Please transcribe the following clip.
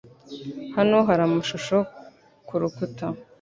Hano hari amashusho kurukuta.